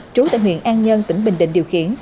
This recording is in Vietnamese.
trú tại huyện an nhơn tỉnh bình định điều khiển